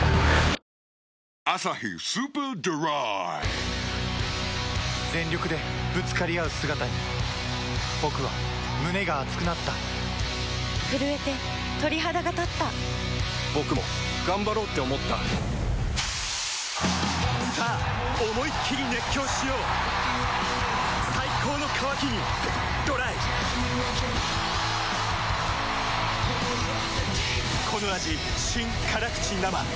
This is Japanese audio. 「アサヒスーパードライ」全力でぶつかり合う姿に僕は胸が熱くなった震えて鳥肌がたった僕も頑張ろうって思ったさあ思いっきり熱狂しよう最高の渇きにＤＲＹうわ。